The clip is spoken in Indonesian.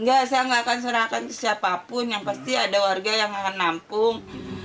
enggak saya nggak akan serahkan ke siapapun yang pasti ada warga yang akan nampung